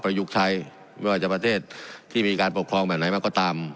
ประยุกต์ใช้ไม่ว่าจะประเทศที่มีการปกครองแบบไหนมันก็ตาม